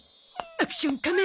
アクション仮面！